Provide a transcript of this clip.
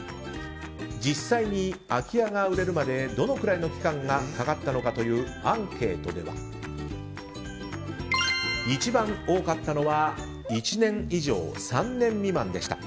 実際に空き家が売れるまでどのくらいの期間がかかったのかというアンケートでは一番多かったのは１年以上３年未満でした。